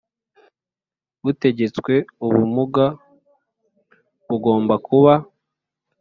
butegetswe ubumuga bugomba kuba